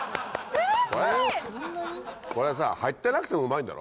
これさ入ってなくてもうまいんだろ？